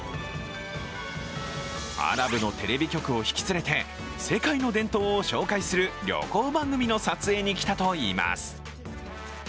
アラブのテレビ局を引き連れて世界の伝統を紹介する旅行番組の撮影に来たといいます。